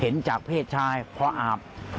จากเพศชายพออาบ